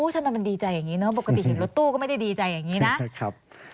ทำไมมันดีใจอย่างนี้เนอะปกติเห็นรถตู้ก็ไม่ได้ดีใจอย่างนี้นะครับ